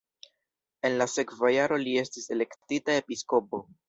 En la sekva jaro li estis elektita episkopo.